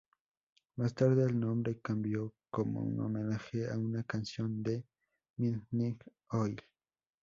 Más tarde el nombre cambió como un homenaje a una canción de Midnight Oil.